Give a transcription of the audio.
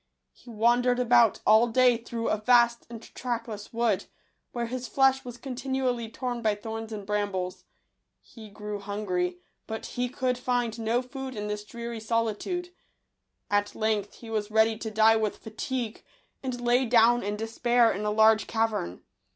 He wandered about all day through a vast and trackless wood, where his flesh was continually torn by thorns and brambles. He grew hun gry ; but he could find no food in this dreary solitude. At length he was ready to die with fatigue, and lay down in despair in a large cavern.